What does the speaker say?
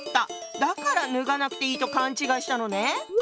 だからぬがなくていいと勘違いしたのね。